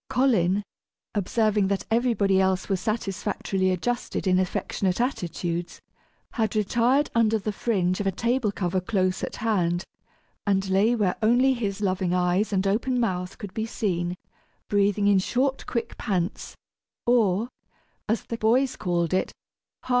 Colin, observing that everybody else was satisfactorily adjusted in affectionate attitudes, had retired under the fringe of a table cover close at hand, and lay where only his loving eyes and open mouth could be seen, breathing in short quick pants, or, as the boys called it, "ha ha ha ing at the company."